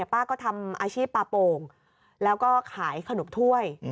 ป้าก็ทำอาชีพปลาโป่งแล้วก็ขายขนมถ้วย